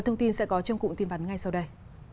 thông tin sẽ có trong cụm tin vắn ngay sau đây